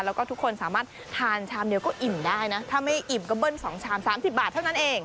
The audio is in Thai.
แล้วก็ทุกคนสามารถทานชามเดียวก็อิ่มได้นะถ้าไม่อิ่มก็เบิ้ล๒ชาม๓๐บาทเท่านั้นเอง